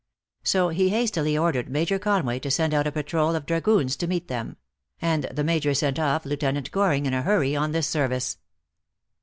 So, he hastily ordered Major Conway to send out a patrol of dragoons to meet them ; and the Major sent off Lieut. Goring in a hurry on this service.